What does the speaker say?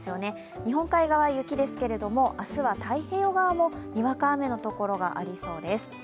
日本海側、雪ですが、明日は太平洋側もにわか雨のところがありそうです。